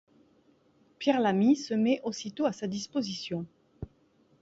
Pierre Lamy se met aussitôt à sa disposition.